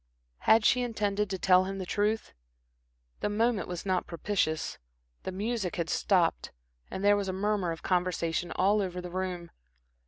Had she intended to tell him the truth? The moment was not propitious. The music had stopped, and there was a murmur of conversation all over the room.